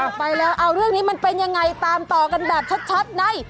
ไปแล้วเอาเรื่องนี้มันเป็นยังไงตามต่อกันแบบชัดใน